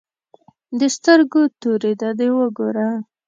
د سترګو تورې ته دې وګوره.